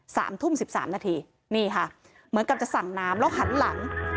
สามทุ่มสิบสามนาทีนี่ค่ะเหมือนกับจะสั่งน้ำแล้วหันหลัง